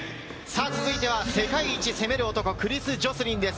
続いては世界一を攻める男、クリス・ジョスリンです。